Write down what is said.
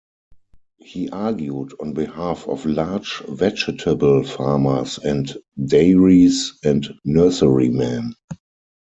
He argued on behalf of large vegetable farmers and dairies and nurserymen.